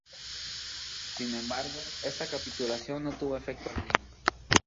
Sin embargo, esta capitulación no tuvo efecto alguno.